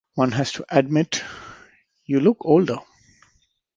One has to admit, you look older.